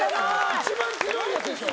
一番すごいやつでしょ。